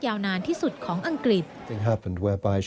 ยาวนานที่สุดของอังกฤษ